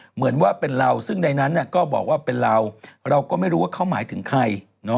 เหมือนว่าเป็นเราซึ่งในนั้นก็บอกว่าเป็นเราเราก็ไม่รู้ว่าเขาหมายถึงใคร